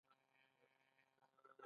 • واده د مینې پیاوړی کول دي.